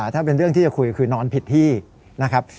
ถ้าเป็นเรื่องที่จะคุยคือนอนผิดที่นะครับ